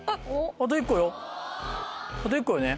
あと１個よね。